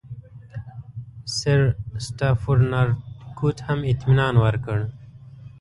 سرسټافورنارتکوټ هم اطمینان ورکړ.